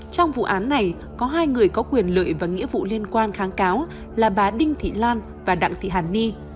trong vụ án này có hai người có quyền lợi và nghĩa vụ liên quan kháng cáo là bà đinh thị lan và đặng thị hàn ni